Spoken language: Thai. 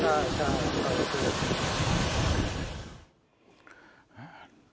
ใช่นะครับขอบคุณ